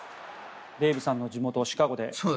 デーブさんの地元のシカゴで。